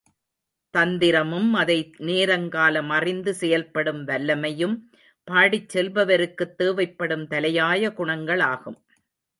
தந்திரமும், அதை நேரங்காலம் அறிந்து செயல்படும் வல்லமையும், பாடிச்செல்பவருக்குத் தேவைப்படும் தலையாய குணங்களாகும்.